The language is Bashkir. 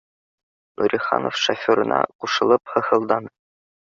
— Нуриханов шоферына ҡушылып һаһылданы